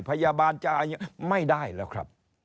พยาบาลจะไม่ได้แล้วครับ